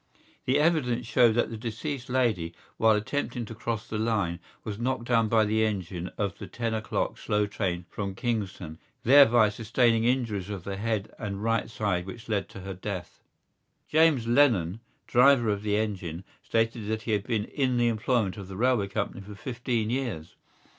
The evidence showed that the deceased lady, while attempting to cross the line, was knocked down by the engine of the ten o'clock slow train from Kingstown, thereby sustaining injuries of the head and right side which led to her death. James Lennon, driver of the engine, stated that he had been in the employment of the railway company for fifteen years.